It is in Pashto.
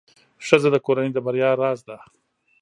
ښځه د کورنۍ د بریا راز ده.